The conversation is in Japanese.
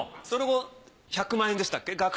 その後１００万円でしたっけ？